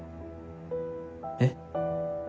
えっ？